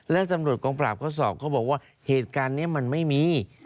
แล้วตำรวจกองปราบเขาสอบเขาบอกว่าเหตุการณ์นี้มันไม่มี